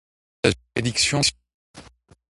Il s'agit d'une prédiction temporelle.